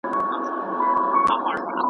د تیارو د ماتولو ځواک لري